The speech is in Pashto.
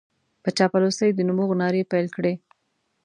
په چاپلوسۍ د نبوغ نارې پېل کړې.